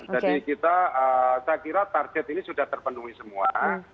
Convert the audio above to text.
jadi kita saya kira target ini sudah terpenuhi semua